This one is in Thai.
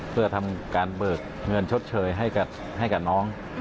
เพื่อทำการเบิกเงินชดเชยให้กับน้อง